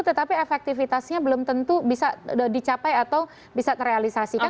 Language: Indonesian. tetapi efektivitasnya belum tentu bisa dicapai atau bisa terrealisasikan